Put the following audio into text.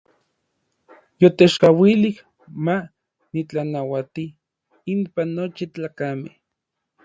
Yotechkauilij ma nitlanauati inpan nochi tlakamej.